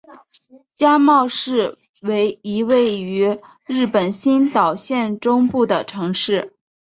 加茂市为一位于日本新舄县中部的城市。